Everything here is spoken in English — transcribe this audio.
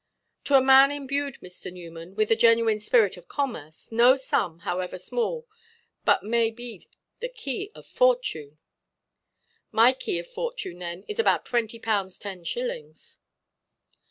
"To a man imbued, Mr. Newman, with the genuine spirit of commerce, no sum, however small, but may be the key of fortune." "My key of fortune, then, is about twenty pounds ten shillings."